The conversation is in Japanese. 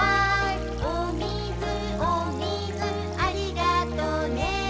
「おみずおみずありがとね」